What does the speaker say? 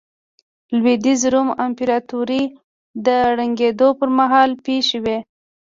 د لوېدیځ روم امپراتورۍ د ړنګېدو پرمهال پېښې وې